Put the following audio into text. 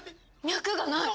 脈がない。